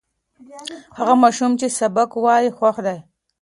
هغه ماشوم چې سبق وایي، خوښ دی.